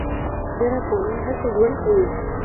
ډیر افغانان هلته ژوند کوي.